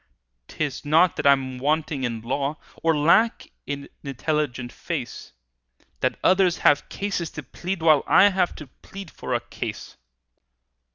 "'Tis not that I'm wanting in law, Or lack an intelligent face, That others have cases to plead, While I have to plead for a case.